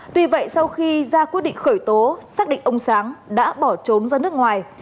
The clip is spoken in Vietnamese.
tuy vậy sau khi ra quyết định khởi tố xác định ông sáng đã bỏ trốn ra nước ngoài